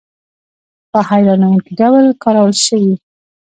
په هیرانوونکې ډول کارول شوي.